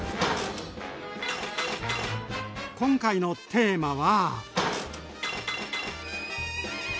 今回のテーマは。